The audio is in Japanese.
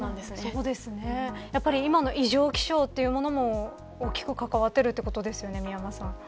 やはり今の異常気象というものも大きく関わっているということですよね。